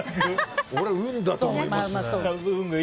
俺、運だと思いますね。